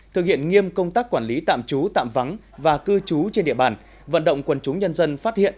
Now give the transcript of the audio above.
thực hiện nghiêm công tác quản lý tạm trú tạm vắng và cư trú trên địa bàn vận động quần chúng nhân dân phát hiện